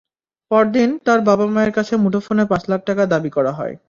পরদিন তার বাবা-মায়ের কাছে মুঠোফোনে পাঁচ লাখ টাকা দাবি করা হয়।